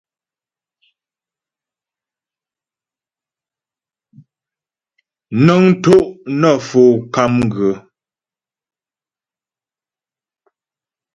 Nə́ŋ tó' nə Fo KAMGA.